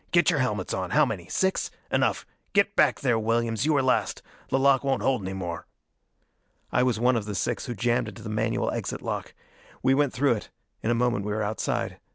"Get your helmets on! How many? Six? Enough get back there, Williams you were last. The lock won't hold any more." I was one of the six who jammed into the manual exit lock. We went through it: in a moment we were outside.